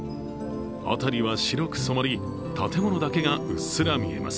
辺りは白く染まり、建物だけがうっすら見えます。